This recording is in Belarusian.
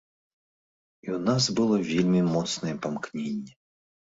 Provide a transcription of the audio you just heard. І ў нас было вельмі моцнае памкненне.